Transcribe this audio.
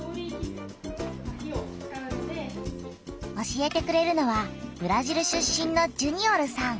教えてくれるのはブラジル出身のジュニオルさん。